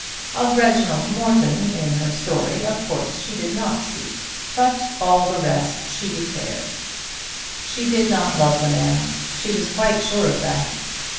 Of Reginald Morton in her story of course she did not speak; but all the rest she declared. She did not love the man. She was quite sure of that.